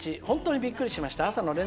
本当にびっくりしました。